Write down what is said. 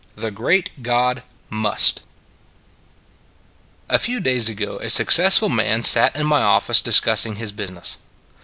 THE GREAT GOD " MUST A FEW days ago a successful man sat in my office discussing his business.